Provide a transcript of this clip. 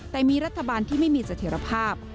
แต่มีรัฐบาลที่ไม่มีเสถียรภาพ